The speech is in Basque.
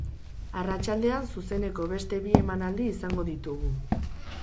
Arratsaldean zuzeneko beste bi emanaldi izango ditugu.